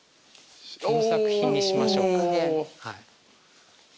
この作品にしましょうか。